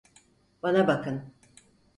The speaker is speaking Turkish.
Bana bakın.